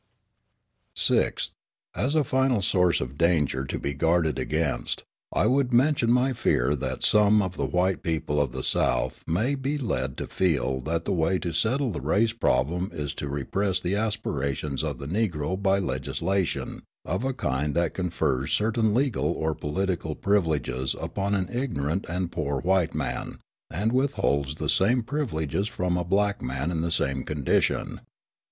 Sixth. As a final source of danger to be guarded against, I would mention my fear that some of the white people of the South may be led to feel that the way to settle the race problem is to repress the aspirations of the Negro by legislation of a kind that confers certain legal or political privileges upon an ignorant and poor white man and withholds the same privileges from a black man in the same condition.